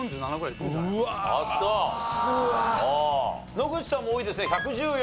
野口さんも多いですね１１４。